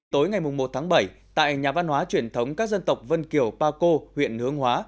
tối ngày một tháng bảy tại nhà văn hóa truyền thống các dân tộc vân kiều paco huyện hương hóa